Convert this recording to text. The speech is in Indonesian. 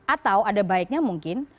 atau ada baiknya mungkin